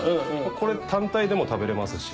これ単体でも食べれますし。